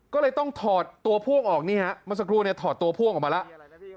ก็เลยต้องถอดตัวพ่วงออกนี่ฮะเมื่อสักครู่เนี่ยถอดตัวพ่วงออกมาแล้ว